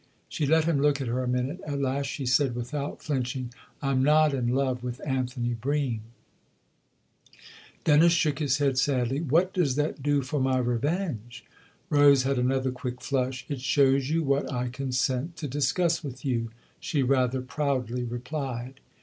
She let him look at her a minute ; at last she said without flinching :" I'm not in love with Anthony Bream." 214 THE OTHER HOUSE Dennis shook his head sadly. " What does that do for my revenge ?" Rose had another quick flush. " It shows you what I consent to discuss with you," she rather proudly replied.